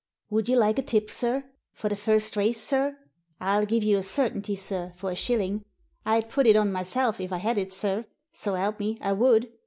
Would you like a tip, sir?— for the first race, sir? I'll give you a certainty, sir, for a shilling. I'd put it on myself if I had it, sir— so help me, I would."